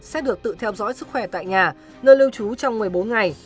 sẽ được tự theo dõi sức khỏe tại nhà nơi lưu trú trong một mươi bốn ngày